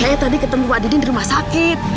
saya tadi ketemu pak didin di rumah sakit